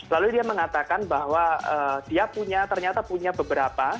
lalu dia mengatakan bahwa dia punya ternyata punya beberapa